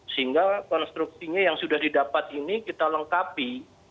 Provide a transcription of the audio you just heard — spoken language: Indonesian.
sehingga konstruksinya yang sudah didapat ini kita lengkapi